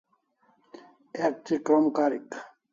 Ek thi krom karik